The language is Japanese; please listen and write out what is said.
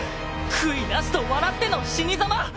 悔いなしと笑っての死にざま！